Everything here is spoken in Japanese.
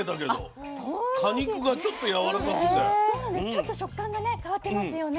ちょっと食感がね変わってますよね。